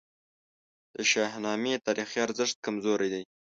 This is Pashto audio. د شاهنامې تاریخي ارزښت کمزوری دی.